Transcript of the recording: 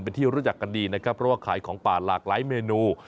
เป็นที่รู้จักกันดีนะครับเพราะว่าขายของป่าหลากหลายเมนู